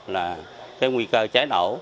là cái nguy cơ cháy nổ